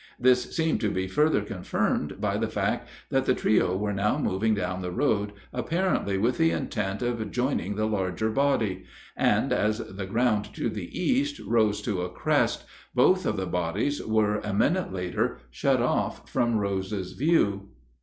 This seemed to be further confirmed by the fact that the trio were now moving down the road, apparently with the intent of joining the larger body; and as the ground to the east rose to a crest, both of the bodies were a minute later shut off from Rose's view.